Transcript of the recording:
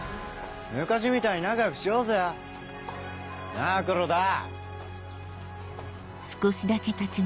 昔みたいに仲良くしようぜ。なぁ黒田！